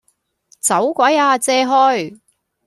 走鬼呀借開!